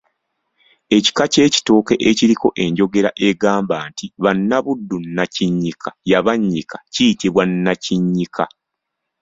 Ekika ky’ekitooke ekiriko enjogera egamba nti “Bannabuddu Nnakinnyika yabannyika” kiyitibwa Nnakinnyika.